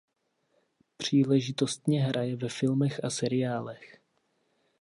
Příležitostně hraje ve filmech a seriálech.